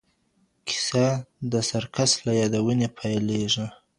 کیسه د سرکس له یادونې پیلېږي.